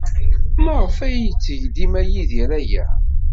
Maɣef ay yetteg dima Yidir aya?